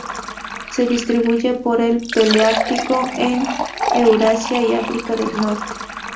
Se distribuyen por el paleártico en Eurasia y África del Norte.